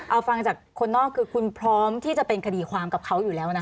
เอาฟังจากคนนอกคือคุณพร้อมที่จะเป็นคดีความกับเขาอยู่แล้วนะคะ